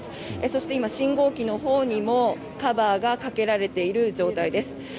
そして今、信号機のほうにもカバーがかけられている状態です。